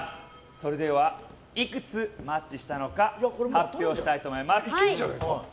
それではいくつマッチしたのか発表したいと思います。